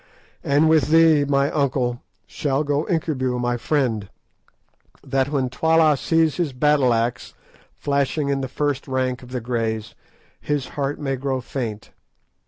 And with thee, my uncle, shall go Incubu my friend, that when Twala sees his battle axe flashing in the first rank of the Greys his heart may grow faint.